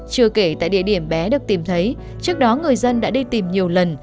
chưa kể tại địa điểm bé được tìm thấy trước đó người dân đã đi tìm nhiều lần